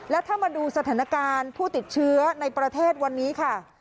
และถ้ามาดูสถานการณ์ผู้ติดเชื้อในประเทศวันนี้ค่ะ